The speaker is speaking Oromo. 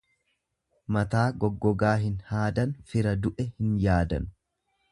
Mataa goggogaa hin haadan, fira du'e hin yaadan.